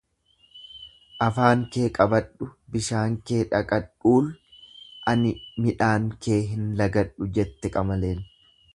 Afaan kee qabadhu, bishaan kee dhaqadhuul, ani midhaan kee hin lagadhu jette qamaleen.